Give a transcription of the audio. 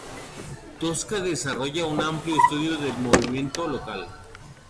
Tosca desarrolla un amplio estudio del movimiento local.